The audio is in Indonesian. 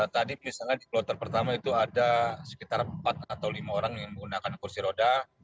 tadi misalnya di kloter pertama itu ada sekitar empat atau lima orang yang menggunakan kursi roda